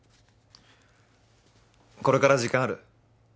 これから時間ある？